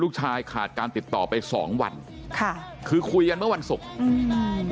ขาดการติดต่อไปสองวันค่ะคือคุยกันเมื่อวันศุกร์อืม